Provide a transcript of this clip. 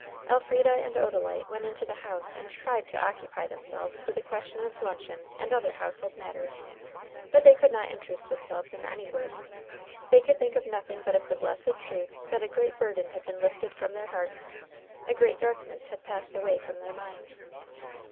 Elfrida and Odalite went into the house and tried to occupy themselves with the question of luncheon and other household matters, but they could not interest themselves in any work ; they could think of nothing but of the blessed truth that a great burden had been lifted from their hearts, a great darkness had passed away from their minds.